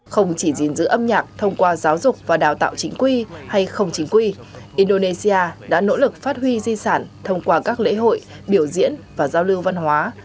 không chỉ gìn giữ âm nhạc thông qua giáo dục và đào tạo chính quy hay không chính quy indonesia đã nỗ lực phát huy di sản thông qua các lễ hội biểu diễn và giao lưu văn hóa